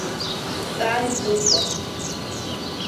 Дҵааит Зыхәба.